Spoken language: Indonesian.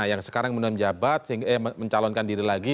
yang sekarang menjalankan diri lagi